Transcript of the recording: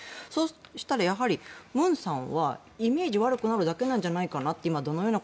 そうしたら文さんはイメージ悪くなるだけなんじゃないのかなって。